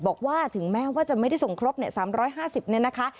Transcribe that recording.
บอกว่าถึงแม้ว่าจะไม่ได้ส่งครบ๓๕๐เนี่ยนะคะ